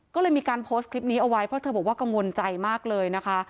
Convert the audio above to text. ก็เลยมีการโพสต์คลิปนี้เอาไว้เพราะเธอบอกว่ากังวลใจมากเลยนะคะ